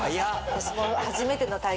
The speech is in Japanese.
私も。